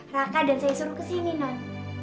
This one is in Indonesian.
raka dan saya suruh kesini nanti